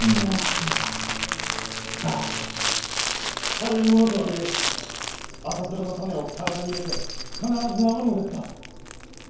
が軽いものとはいえ赤面の種を体に入れて必ず治るのですか。